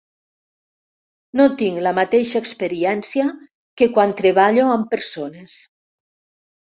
No tinc la mateixa experiència que quan treballo amb persones.